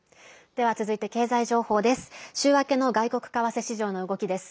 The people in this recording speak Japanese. では続いて経済情報です。